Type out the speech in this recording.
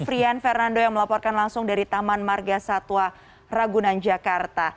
frian fernando yang melaporkan langsung dari taman marga satora gunang jakarta